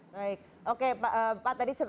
baik oke pak tadi